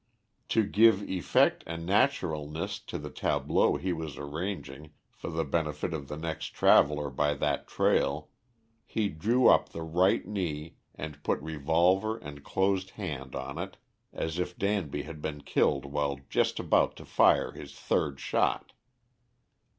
To give effect and naturalness to the tableau he was arranging for the benefit of the next traveller by that trail, he drew up the right knee and put revolver and closed hand on it as if Danby had been killed while just about to fire his third shot.